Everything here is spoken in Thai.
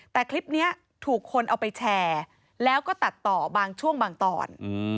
แต่คลิปนี้ถูกคนเอาไปแชร์แล้วก็ตัดต่อบางช่วงบางตอน